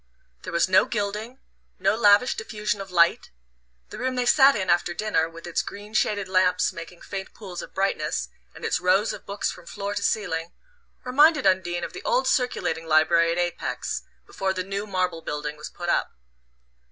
There was no gilding, no lavish diffusion of light: the room they sat in after dinner, with its green shaded lamps making faint pools of brightness, and its rows of books from floor to ceiling, reminded Undine of the old circulating library at Apex, before the new marble building was put up.